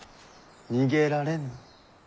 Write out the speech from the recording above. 逃げられぬ。